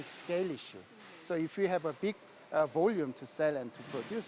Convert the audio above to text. jadi jika kami memiliki volume besar untuk menjual dan memproduksi